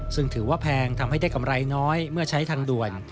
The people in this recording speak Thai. ซึ่งถือว่าแพงทำให้ได้กำไรน้อยเมื่อใช้ทางด่วน